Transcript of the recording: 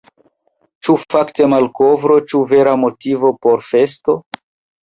Ĉu fakte malkovro, ĉu vera motivo por festo?